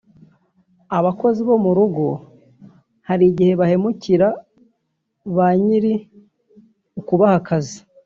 Abakozi bo mu rugo hari igihe bahemukira ba nyiri ukubaha akazi